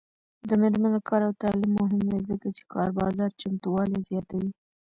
د میرمنو کار او تعلیم مهم دی ځکه چې کار بازار چمتووالي زیاتوي.